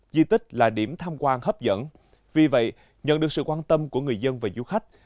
di tích là điểm tham quan hấp dẫn vì vậy nhận được sự quan tâm của người dân và du khách